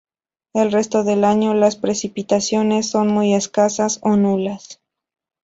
El resto del año las precipitaciones son muy escasas o nulas.